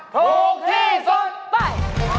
ถูกที่สุดไป